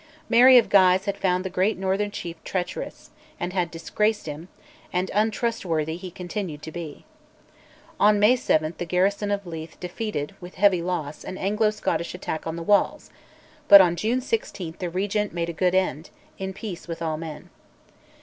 Mary of Guise had found the great northern chief treacherous, and had disgraced him, and untrustworthy he continued to be. On May 7 the garrison of Leith defeated with heavy loss an Anglo Scottish attack on the walls; but on June 16 the Regent made a good end, in peace with all men.